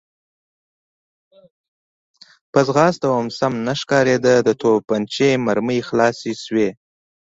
په ځغاسته و او سم نه ښکارېده، د تومانچې مرمۍ خلاصې شوې.